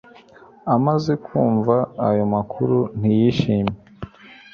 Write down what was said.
Amaze kumva ayo makuru ntiyishimye